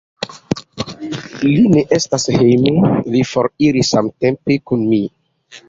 Li ne estas hejme; li foriris samtempe kun mi.